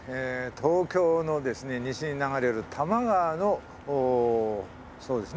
東京の西に流れる多摩川のそうですね